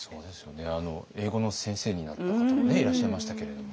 英語の先生になった方もねいらっしゃいましたけれどもね。